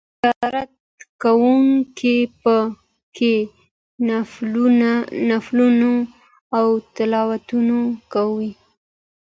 زیارت کوونکي په کې نفلونه او تلاوتونه کوي.